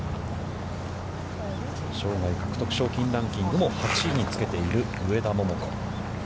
生涯獲得賞金ランキングも８位につけている上田桃子。